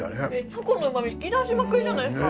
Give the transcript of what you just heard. タコのうまみ引き出しまくりじゃないすか